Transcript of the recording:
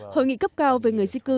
hội nghị cấp cao về người di cư